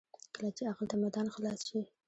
کله چې عقل ته میدان خلاص شي.